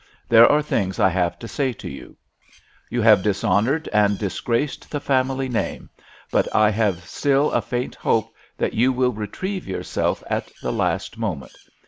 There are things I have to say to you_. "_You have dishonoured and disgraced the family name, but I have still a faint hope that you will retrieve yourself at the last moment.